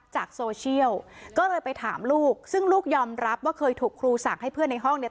จากโซเชียลก็เลยไปถามลูกซึ่งลูกยอมรับว่าเคยถูกครูสั่งให้เพื่อนในห้องเนี่ย